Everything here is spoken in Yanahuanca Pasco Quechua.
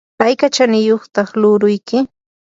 ¿ayka chaniyuqtaq luuruyki?